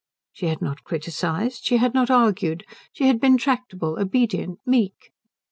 She had not criticized, she had not argued, she had been tractable, obedient, meek.